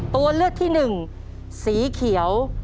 ตัวเลือกที่หนึ่งสีเขียว